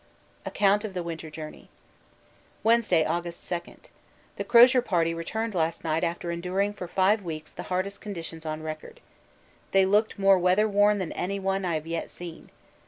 Account of the Winter Journey Wednesday, August 2. The Crozier Party returned last night after enduring for five weeks the hardest conditions on record. They looked more weather worn than anyone I have yet seen.